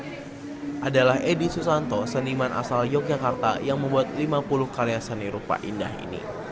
ini adalah edi susanto seniman asal yogyakarta yang membuat lima puluh karya seni rupa indah ini